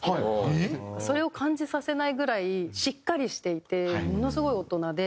それを感じさせないぐらいしっかりしていてものすごい大人で。